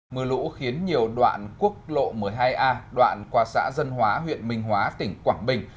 mưa lũ khiến nhiều đoạn quốc lộ một mươi hai a đoạn qua xã dân hóa huyện minh hóa tỉnh quảng bình